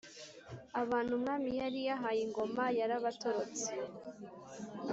abantu umwami yari yahaye Ngoma yarabatorotse